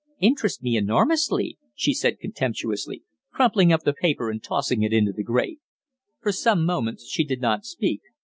"'Interest me enormously,'" she said contemptuously, crumpling up the paper and tossing it into the grate. For some moments she did not speak.